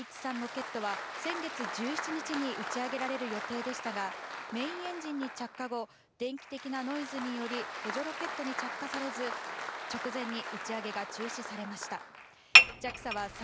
Ｈ３ロケットは先月１７日に打ち上げられる予定でしたが、メインエンジンに着火後、電気的なノイズにより補助ロケットに着火されず、直前に打ち上げが中止されました。